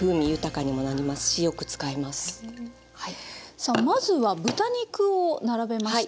さあまずは豚肉を並べました。